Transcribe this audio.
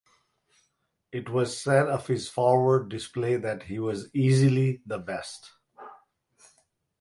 It was said of his forward display that he "was easily the best".